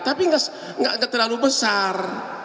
tapi nggak terlalu besar